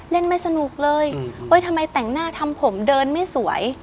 ไม่สนุกเลยทำไมแต่งหน้าทำผมเดินไม่สวย